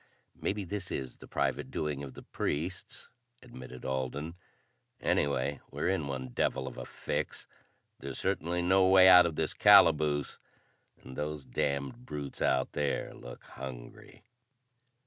"Maybe this is the private doing of the priests," admitted Alden. "Anyway, we're in one devil of a fix. There's certainly no way out of this calaboose and those damned brutes out there look hungry."